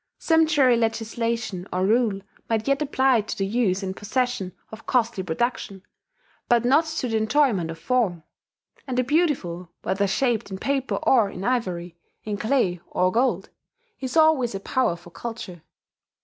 Sumptuary legislation or rule might yet apply to the use and possession of costly production, but not to the enjoyment of form; and the beautiful, whether shaped in paper or in ivory, in clay or gold, is always a power for culture.